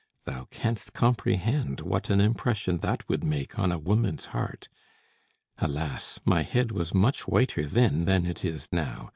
Thou canst comprehend what an impression that would make on a woman's heart! Alas! my head was much whiter then than it is now.